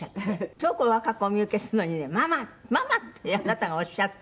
すごく若くお見受けするのにね「ママ！ママ！」ってあなたがおっしゃって。